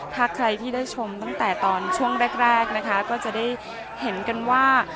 ถ้าใครที่ได้ชมตั้งแต่ตอนช่วงแรกนะคะก็จะได้เห็นกันว่า